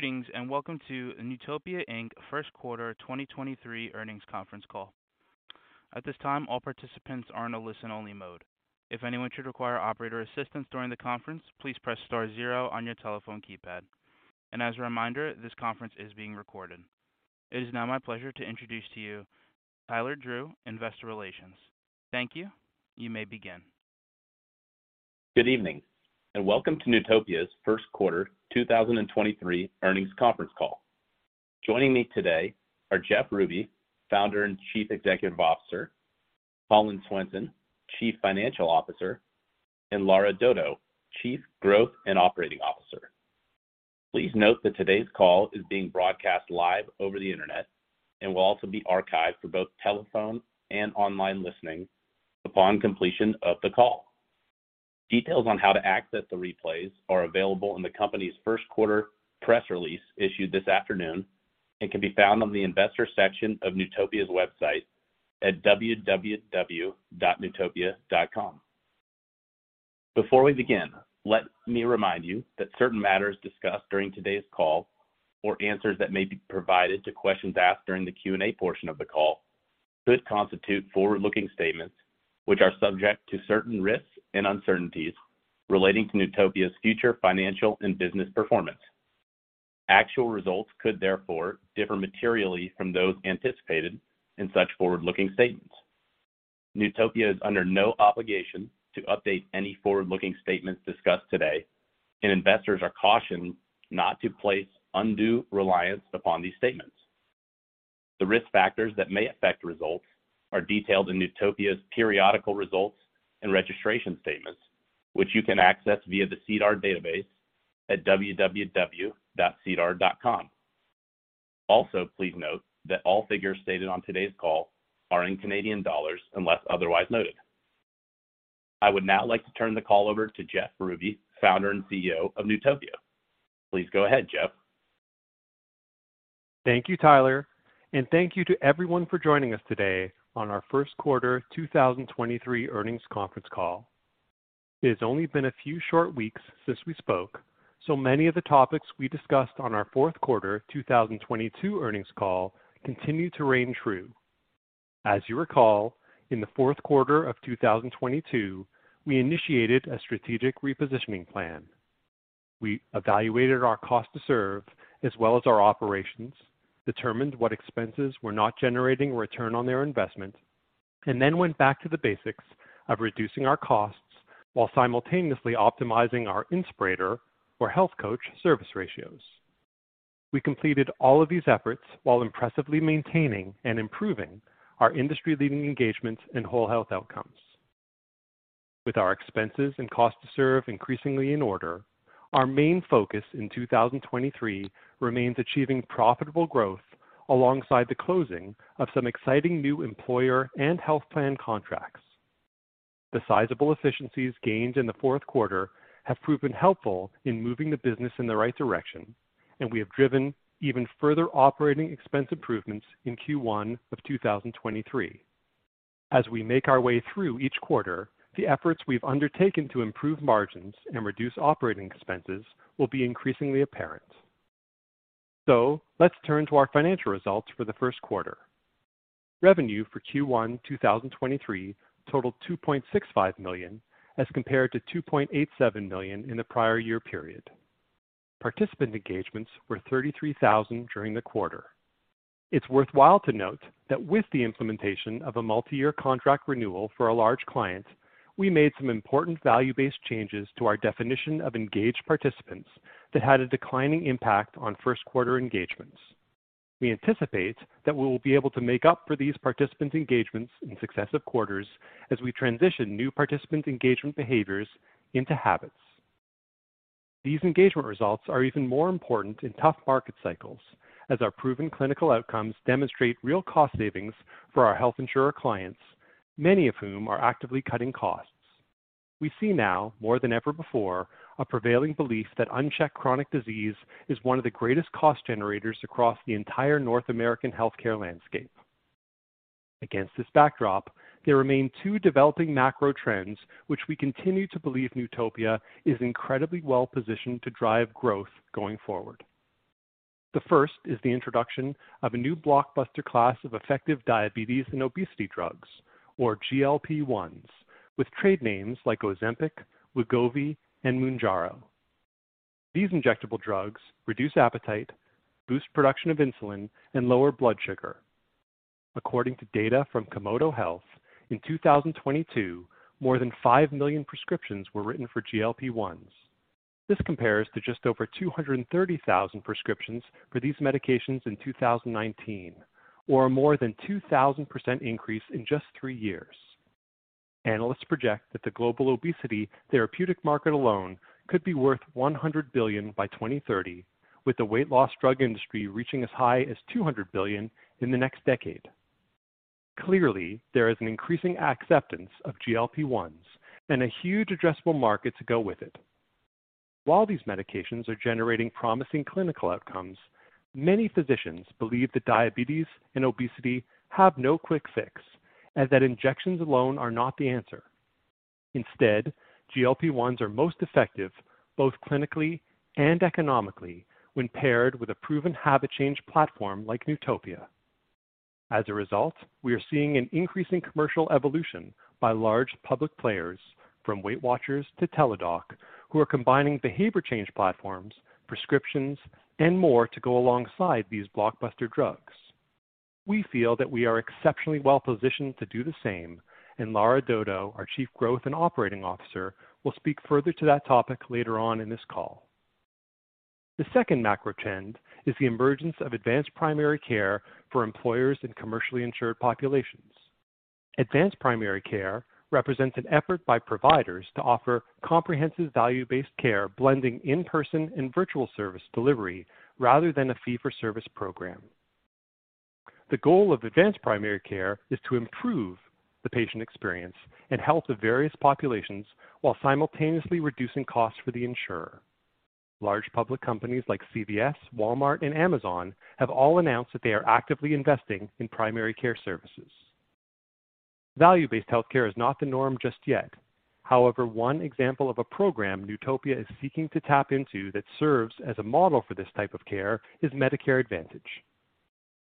Greetings, and welcome to Newtopia, Inc. first quarter 2023 earnings conference call. At this time, all participants are in a listen-only mode. If anyone should require operator assistance during the conference, please press Star zero on your telephone keypad. As a reminder, this conference is being recorded. It is now my pleasure to introduce to you Tyler Drew, Investor Relations. Thank you. You may begin. Good evening, and welcome to Newtopia's first quarter 2023 earnings conference call. Joining me today are Jeff Ruby, Founder and Chief Executive Officer, Collin Swenson, Chief Financial Officer, and Lara Dodo, Chief Growth and Operating Officer. Please note that today's call is being broadcast live over the internet and will also be archived for both telephone and online listening upon completion of the call. Details on how to access the replays are available in the company's first quarter press release, issued this afternoon, and can be found on the investor section of Newtopia's website at www.newtopia.com. Before we begin, let me remind you that certain matters discussed during today's call or answers that may be provided to questions asked during the Q&A portion of the call could constitute forward-looking statements, which are subject to certain risks and uncertainties relating to Newtopia's future financial and business performance. Actual results could therefore differ materially from those anticipated in such forward-looking statements. Newtopia is under no obligation to update any forward-looking statements discussed today, and investors are cautioned not to place undue reliance upon these statements. The risk factors that may affect results are detailed in Newtopia's periodical results and registration statements, which you can access via the SEDAR database at www.sedar.com. Also, please note that all figures stated on today's call are in Canadian dollars, unless otherwise noted. I would now like to turn the call over to Jeff Ruby, Founder and CEO of Newtopia. Please go ahead, Jeff. Thank you, Tyler, and thank you to everyone for joining us today on our first quarter 2023 earnings conference call. It has only been a few short weeks since we spoke, so many of the topics we discussed on our fourth quarter 2022 earnings call continue to ring true. As you recall, in the fourth quarter of 2022, we initiated a strategic repositioning plan. We evaluated our cost to serve as well as our operations, determined what expenses were not generating return on their investment, and then went back to the basics of reducing our costs while simultaneously optimizing our Inspirator or health coach service ratios. We completed all of these efforts while impressively maintaining and improving our industry-leading engagements and whole health outcomes. With our expenses and cost to serve increasingly in order, our main focus in 2023 remains achieving profitable growth alongside the closing of some exciting new employer and health plan contracts. The sizable efficiencies gained in the fourth quarter have proven helpful in moving the business in the right direction, and we have driven even further operating expense improvements in Q1 of 2023. As we make our way through each quarter, the efforts we've undertaken to improve margins and reduce operating expenses will be increasingly apparent. Let's turn to our financial results for the first quarter. Revenue for Q1 2023 totaled 2.65 million, as compared to 2.87 million in the prior year period. Participant engagements were 33,000 during the quarter. It's worthwhile to note that with the implementation of a multi-year contract renewal for a large client, we made some important value-based changes to our definition of engaged participants that had a declining impact on first-quarter engagements. We anticipate that we will be able to make up for these participant engagements in successive quarters as we transition new participant engagement behaviors into habits. These engagement results are even more important in tough market cycles, as our proven clinical outcomes demonstrate real cost savings for our health insurer clients, many of whom are actively cutting costs. We see now, more than ever before, a prevailing belief that unchecked chronic disease is one of the greatest cost generators across the entire North American healthcare landscape. Against this backdrop, there remain two developing macro trends, which we continue to believe Newtopia is incredibly well positioned to drive growth going forward. The first is the introduction of a new blockbuster class of effective diabetes and obesity drugs, or GLP-1s, with trade names like Ozempic, Wegovy, and Mounjaro. These injectable drugs reduce appetite, boost production of insulin, and lower blood sugar. According to data from Komodo Health, in 2022, more than 5 million prescriptions were written for GLP-1s. This compares to just over 230,000 prescriptions for these medications in 2019, or a more than 2,000% increase in just 3 years. Analysts project that the global obesity therapeutic market alone could be worth $100 billion by 2030, with the weight loss drug industry reaching as high as $200 billion in the next decade. Clearly, there is an increasing acceptance of GLP-1s and a huge addressable market to go with it. While these medications are generating promising clinical outcomes, many physicians believe that diabetes and obesity have no quick fix, and that injections alone are not the answer. Instead, GLP-1s are most effective, both clinically and economically, when paired with a proven habit change platform like Newtopia. As a result, we are seeing an increasing commercial evolution by large public players, from Weight Watchers to Teladoc, who are combining behavior change platforms, prescriptions, and more to go alongside these blockbuster drugs. We feel that we are exceptionally well positioned to do the same, and Lara Dodo, our Chief Growth and Operating Officer, will speak further to that topic later on in this call. The second macro trend is the emergence of advanced primary care for employers in commercially insured populations. Advanced primary care represents an effort by providers to offer comprehensive value-based care, blending in-person and virtual service delivery rather than a fee-for-service program. The goal of advanced primary care is to improve the patient experience and health of various populations while simultaneously reducing costs for the insurer. Large public companies like CVS, Walmart, and Amazon have all announced that they are actively investing in primary care services. Value-based healthcare is not the norm just yet. One example of a program Newtopia is seeking to tap into that serves as a model for this type of care is Medicare Advantage.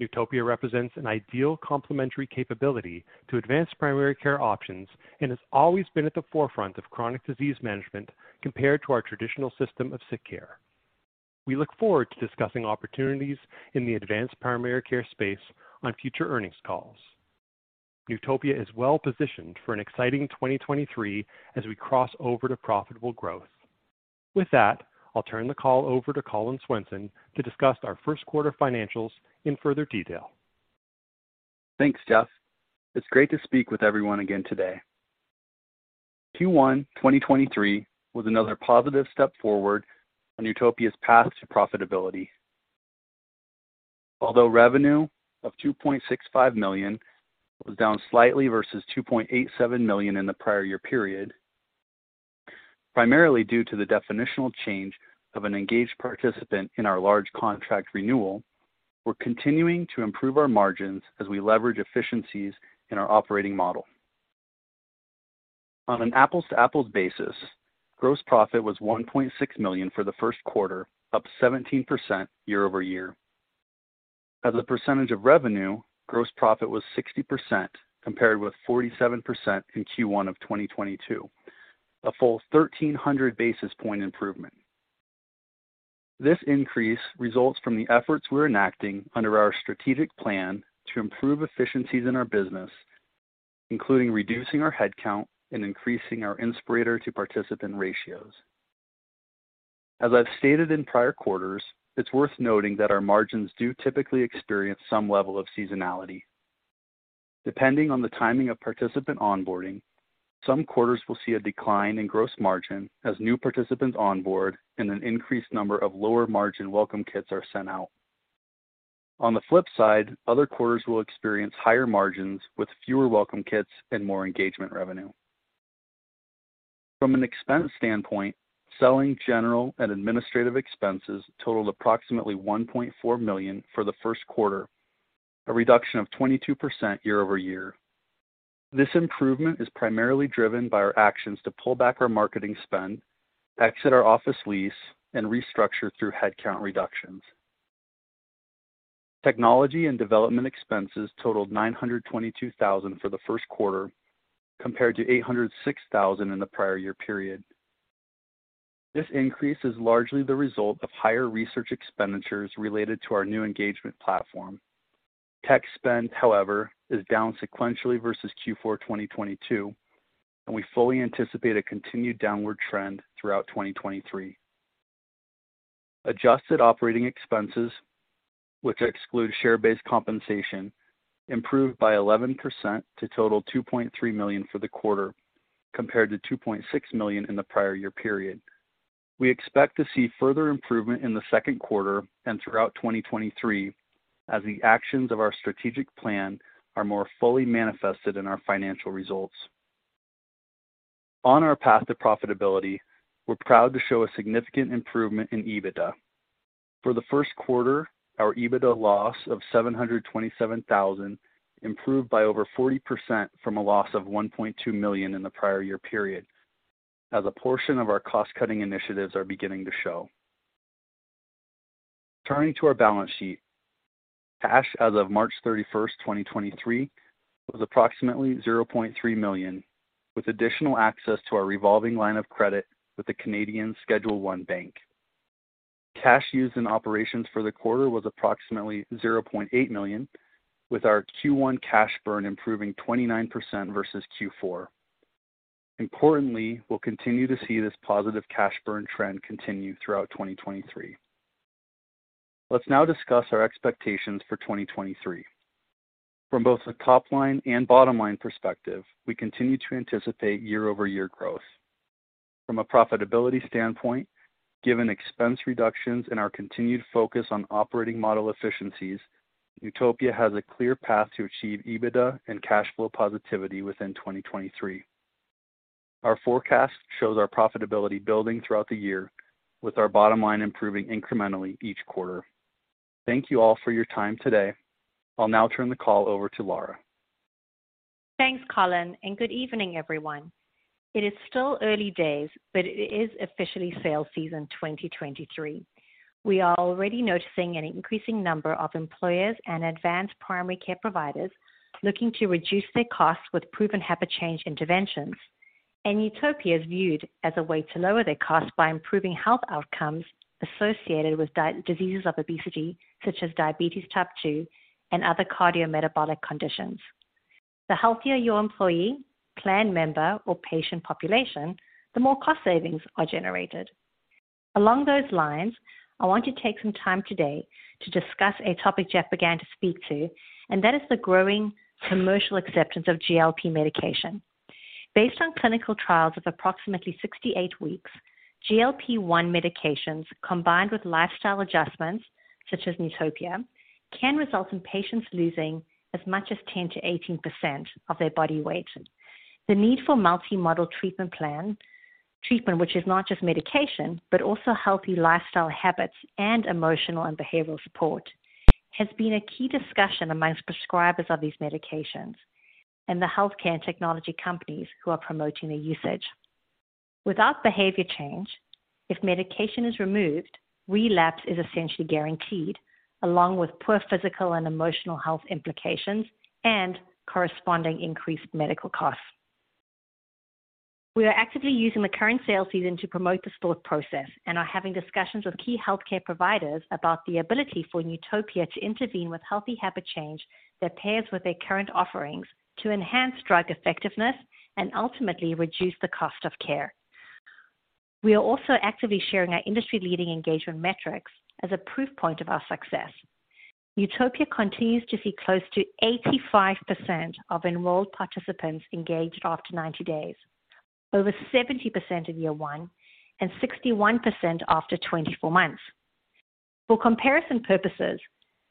Newtopia represents an ideal complementary capability to advanced primary care options and has always been at the forefront of chronic disease management compared to our traditional system of sick care. We look forward to discussing opportunities in the advanced primary care space on future earnings calls. Newtopia is well positioned for an exciting 2023 as we cross over to profitable growth. With that, I'll turn the call over to Collin Swenson to discuss our first quarter financials in further detail. Thanks, Jeff. It's great to speak with everyone again today. Q1 2023 was another positive step forward on Newtopia's path to profitability. Although revenue of 2.65 million was down slightly versus 2.87 million in the prior year period, primarily due to the definitional change of an engaged participant in our large contract renewal, we're continuing to improve our margins as we leverage efficiencies in our operating model. On an apples-to-apples basis, gross profit was 1.6 million for the first quarter, up 17% year-over-year. As a percentage of revenue, gross profit was 60%, compared with 47% in Q1 of 2022, a full 1,300 basis point improvement. This increase results from the efforts we're enacting under our strategic plan to improve efficiencies in our business, including reducing our headcount and increasing our Inspirator to participant ratios. As I've stated in prior quarters, it's worth noting that our margins do typically experience some level of seasonality. Depending on the timing of participant onboarding, some quarters will see a decline in gross margin as new participants onboard and an increased number of lower margin Welcome Kit are sent out. On the flip side, other quarters will experience higher margins with fewer Welcome Kit and more engagement revenue. From an expense standpoint, selling, general, and administrative expenses totaled approximately 1.4 million for the first quarter, a reduction of 22% year-over-year. This improvement is primarily driven by our actions to pull back our marketing spend, exit our office lease, and restructure through headcount reductions. Technology and development expenses totaled 922,000 for the first quarter, compared to 806,000 in the prior year period. This increase is largely the result of higher research expenditures related to our new engagement platform. Tech spend, however, is down sequentially versus Q4 2022, and we fully anticipate a continued downward trend throughout 2023. Adjusted operating expenses, which exclude share-based compensation, improved by 11% to total 2.3 million for the quarter, compared to 2.6 million in the prior year period. We expect to see further improvement in the second quarter and throughout 2023 as the actions of our strategic plan are more fully manifested in our financial results. On our path to profitability, we're proud to show a significant improvement in EBITDA. For the first quarter, our EBITDA loss of 727,000 improved by over 40% from a loss of 1.2 million in the prior year period, as a portion of our cost-cutting initiatives are beginning to show. Turning to our balance sheet. Cash as of March 31st, 2023, was approximately 0.3 million, with additional access to our revolving line of credit with a Canadian Schedule I bank. Cash used in operations for the quarter was approximately 0.8 million, with our Q1 cash burn improving 29% versus Q4. Importantly, we'll continue to see this positive cash burn trend continue throughout 2023. Let's now discuss our expectations for 2023. From both a top line and bottom line perspective, we continue to anticipate year-over-year growth. From a profitability standpoint, given expense reductions and our continued focus on operating model efficiencies, Newtopia has a clear path to achieve EBITDA and cash flow positivity within 2023. Our forecast shows our profitability building throughout the year, with our bottom line improving incrementally each quarter. Thank you all for your time today. I'll now turn the call over to Lara. Thanks, Collin, and good evening, everyone. It is still early days, but it is officially sales season 2023. We are already noticing an increasing number of employers and advanced primary care providers looking to reduce their costs with proven habit change interventions. Newtopia is viewed as a way to lower their costs by improving health outcomes associated with diseases of obesity, such as diabetes Type 2 and other cardiometabolic conditions. The healthier your employee, plan member, or patient population, the more cost savings are generated. Along those lines, I want to take some time today to discuss a topic Jeff began to speak to, and that is the growing commercial acceptance of GLP medication. Based on clinical trials of approximately 68 weeks, GLP-1 medications, combined with lifestyle adjustments such as Newtopia, can result in patients losing as much as 10%-18% of their body weight. The need for multi-modal treatment plan, treatment which is not just medication, but also healthy lifestyle habits and emotional and behavioral support, has been a key discussion amongst prescribers of these medications and the healthcare and technology companies who are promoting their usage. Without behavior change, if medication is removed, relapse is essentially guaranteed, along with poor physical and emotional health implications and corresponding increased medical costs. We are actively using the current sales season to promote this thought process and are having discussions with key healthcare providers about the ability for Newtopia to intervene with healthy habit change that pairs with their current offerings to enhance drug effectiveness and ultimately reduce the cost of care. We are also actively sharing our industry-leading engagement metrics as a proof point of our success. Newtopia continues to see close to 85% of enrolled participants engaged after 90 days, over 70% in year 1, and 61% after 24 months. For comparison purposes,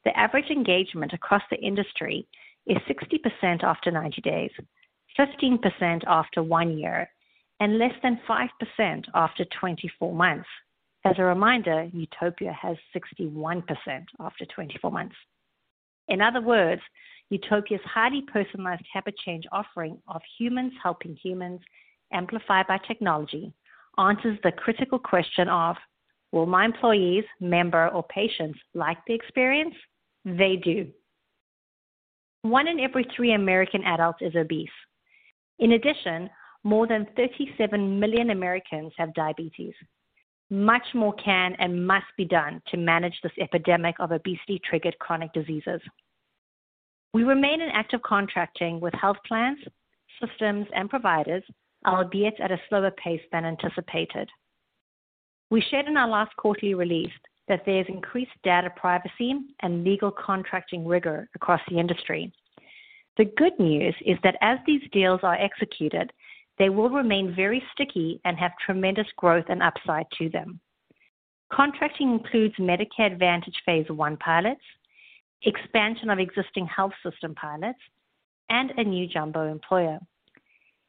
the average engagement across the industry is 60% after 90 days, 15% after one year, and less than 5% after 24 months. As a reminder, Newtopia has 61% after 24 months. In other words, Newtopia's highly personalized habit change offering of humans helping humans, amplified by technology, answers the critical question of: Will my employees, member, or patients like the experience? They do. One in every three American adults is obese. In addition, more than 37 million Americans have diabetes. Much more can and must be done to manage this epidemic of obesity-triggered chronic diseases. We remain in active contracting with health plans, systems, and providers, albeit at a slower pace than anticipated. We shared in our last quarterly release that there is increased data privacy and legal contracting rigor across the industry. The good news is that as these deals are executed, they will remain very sticky and have tremendous growth and upside to them. Contracting includes Medicare Advantage phase one pilots, expansion of existing health system pilots, and a new jumbo employer.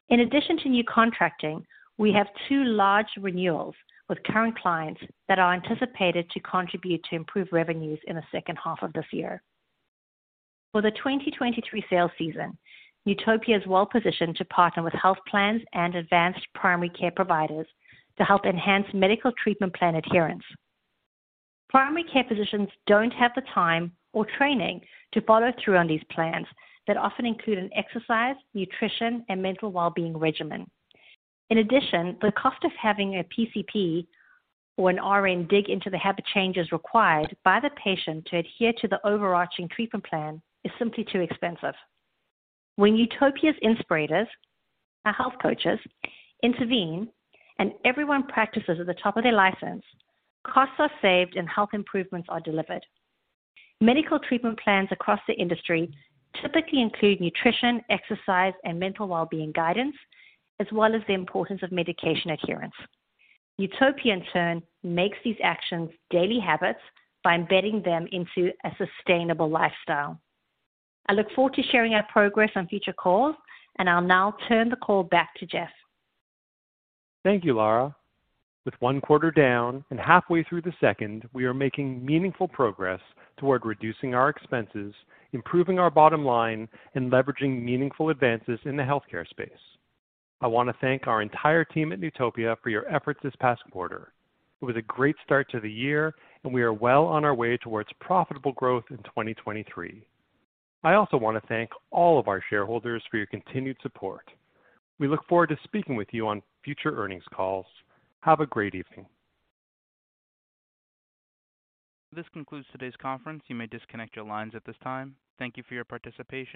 In addition to new contracting, we have 2 large renewals with current clients that are anticipated to contribute to improved revenues in the second half of this year. For the 2023 sales season, Newtopia is well positioned to partner with health plans and advanced primary care providers to help enhance medical treatment plan adherence. Primary care physicians don't have the time or training to follow through on these plans that often include an exercise, nutrition, and mental well-being regimen. In addition, the cost of having a PCP or an RN dig into the habit changes required by the patient to adhere to the overarching treatment plan is simply too expensive. When Newtopia's Inspirators, our health coaches, intervene and everyone practices at the top of their license, costs are saved, and health improvements are delivered. Medical treatment plans across the industry typically include nutrition, exercise, and mental well-being guidance, as well as the importance of medication adherence. Newtopia, in turn, makes these actions daily habits by embedding them into a sustainable lifestyle. I look forward to sharing our progress on future calls, and I'll now turn the call back to Jeff. Thank you, Lara. With one quarter down and halfway through the second, we are making meaningful progress toward reducing our expenses, improving our bottom line, and leveraging meaningful advances in the healthcare space. I want to thank our entire team at Newtopia for your efforts this past quarter. It was a great start to the year, and we are well on our way towards profitable growth in 2023. I also want to thank all of our shareholders for your continued support. We look forward to speaking with you on future earnings calls. Have a great evening. This concludes today's conference. You may disconnect your lines at this time. Thank you for your participation.